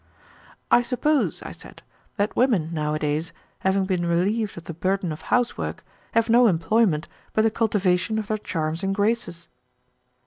"I suppose," I said, "that women nowadays, having been relieved of the burden of housework, have no employment but the cultivation of their charms and graces."